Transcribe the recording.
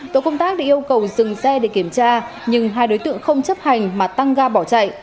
tổ công tác đã yêu cầu dừng xe để kiểm tra nhưng hai đối tượng không chấp hành mà tăng ga bỏ chạy